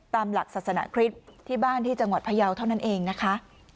ตามหลักศาสนาคริสต์ที่บ้านที่จังหวัดพยาวเท่านั้นเองนะคะ